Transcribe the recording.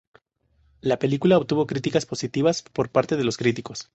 La película obtuvo críticas positivas por parte de los críticos.